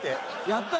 やったー！